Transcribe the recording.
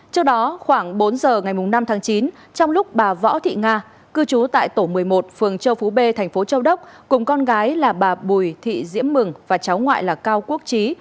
trước đó khoảng bốn giờ ngày năm tháng chín trong lúc bà võ thị nga cư trú tại tổ một mươi một phường châu phú b thành phố châu đốc cùng con gái là bà bùi thị diễm mừng và cháu ngoại là cao quốc trí